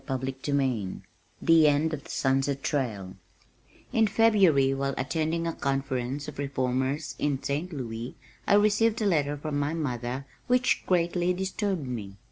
CHAPTER XXXIII The End of the Sunset Trail In February while attending a conference of reformers in St. Louis I received a letter from my mother which greatly disturbed me.